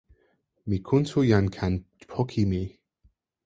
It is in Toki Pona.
mi kuntu kan jan poka mi.